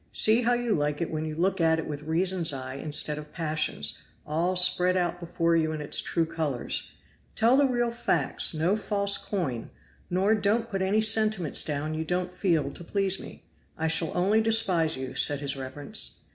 See how you like it when you look at it with reason's eye instead of passion's, all spread out before you in its true colors. Tell the real facts no false coin, nor don't put any sentiments down you don't feel to please me I shall only despise you,' said his reverence.